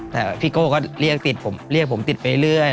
แต่พี่โก้ก็เรียกผมติดไปเรื่อย